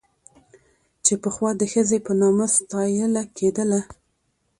چې پخوا د ښځې په نامه ستايله کېدله